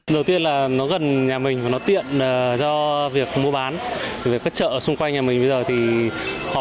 đầu tiên là nó gần nhà mình và nó tiện do việc mua bán các chợ xung quanh nhà mình bây giờ thì khó